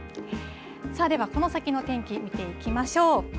ではこの先の天気、見ていきましょう。